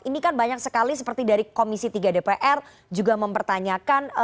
ini kan banyak sekali seperti dari komisi tiga dpr juga mempertanyakan